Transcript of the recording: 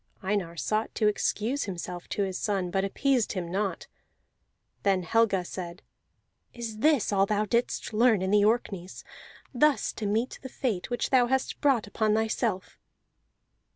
Einar sought to excuse himself to his son, but appeased him not. Then Helga said: "Is this all thou didst learn in the Orkneys, thus to meet the fate which thou hast brought upon thyself?"